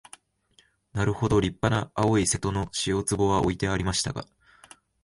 なるほど立派な青い瀬戸の塩壺は置いてありましたが、